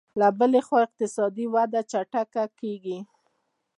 له بلې خوا اقتصادي وده چټکه کېږي